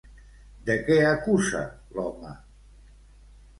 De què acusa l'home?